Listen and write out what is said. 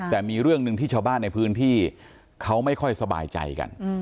แต่มีเรื่องหนึ่งที่ชาวบ้านในพื้นที่เขาไม่ค่อยสบายใจกัน